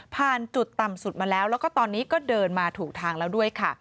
ผ่านจุดต่ำสุดมาแล้วแล้วก็ตอนนี้ก็เดินมาถูกทางแล้วด้วยค่ะ